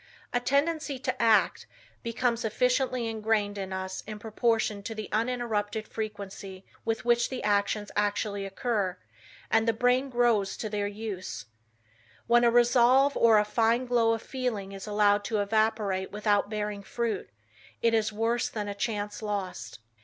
"A tendency to act, becomes effectively engrained in us in proportion to the uninterrupted frequency with which the actions actually occur, and the brain `grows' to their use. When a resolve or a fine glow of feeling is allowed to evaporate without bearing fruit, it is worse than a chance lost."